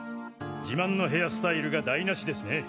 自慢のヘアスタイルが台無しですね。